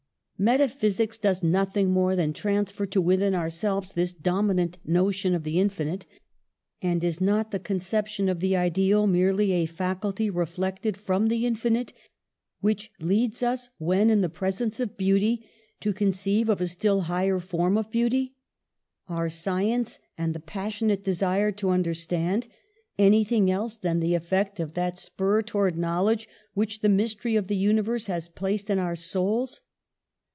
Metaphysics does nothing more than transfer to within ourselves this dominant notion of the infinite. And is not the conception of the ideal merely a faculty reflected from the infinite, which leads us, when in the presence of beauty, to conceive of a still higher form of beauty? Are science and the passionate desire to under stand anything else than the effect of that spur towards knowledge which the mystery of the universe has placed in our souls?